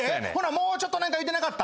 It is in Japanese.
もうちょっと何か言うてなかった？